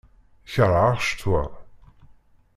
Kerheɣ ccetwa.